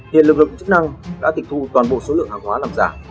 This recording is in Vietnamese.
hiện lực lượng chức năng đã tịch thu toàn bộ số lượng hàng hóa làm giả